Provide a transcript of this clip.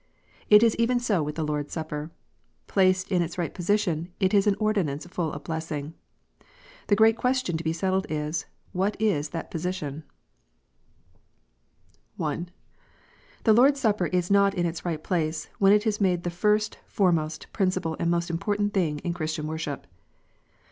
It is even so with the Lord s Supper. Placed in its right position, it is an ordinance full of blessing. The great question to be settled is, What is that position 1 (1) The Lord s Supper is not in its right place, when it is made the first, foremost, principal, and most important thing in Ctiristian worship.